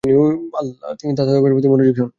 তিনি তাসাউফের প্রতি মনোযোগী হন।